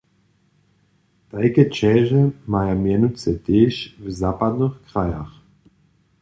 Tajke ćeže maja mjenujcy tež w zapadnych krajach.